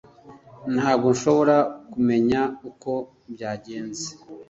Ntabwo nshobora kumenya uko byagenze